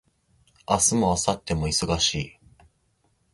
明日も明後日も忙しい